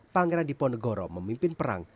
pangeran diponegoro memimpin perang